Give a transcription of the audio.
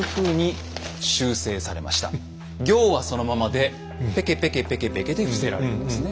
行はそのままでペケペケペケペケで伏せられるんですね。